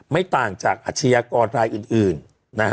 ไม่ต่างจากอาชญากรรายอื่นนะฮะ